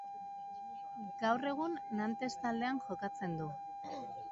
Gaur egun Nantes taldean jokatzen du.